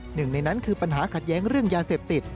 หนึ่งในนั้นคือปัญหาขัดแย้งเรื่องยาเสพติด